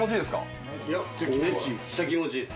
めっちゃ気持ちいい。